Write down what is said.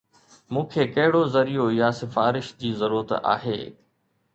مون کي ڪهڙو ذريعو يا سفارش جي ضرورت آهي؟